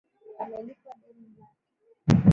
Amelipa deni lake.